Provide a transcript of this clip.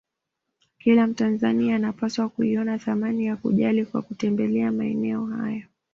Kila Mtanzania anapaswa kuiona thamani ya kujali kwa kutembelea maeneo haya